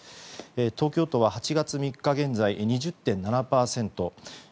東京都は８月３日現在、２０．７％。